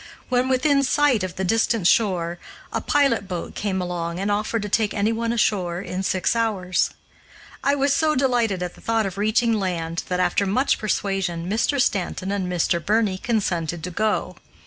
When within sight of the distant shore, a pilot boat came along and offered to take anyone ashore in six hours. I was so delighted at the thought of reaching land that, after much persuasion, Mr. Stanton and Mr. Birney consented to go.